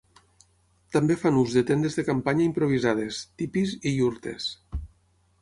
També fan ús de tendes de campanya improvisades, tipis i iurtes.